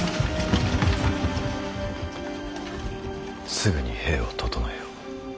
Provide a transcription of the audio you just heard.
すぐに兵を調えよ。